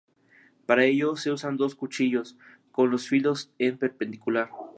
Para ello, se usan dos "cuchillos" con los filos en perpendicular.